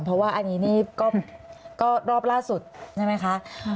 เพราะว่าอันนี้นี่ก็รอบล่าสุดใช่ไหมคะ